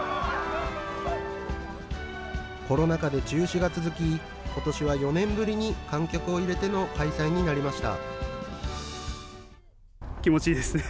コロナ禍で中止が続き、ことしは４年ぶりに観客を入れての開催になりました。